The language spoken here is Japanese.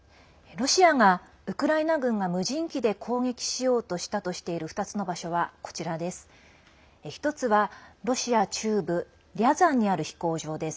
ロシアがウクライナ軍が無人機で攻撃しようとしたとしている２つの場所は、こちらです。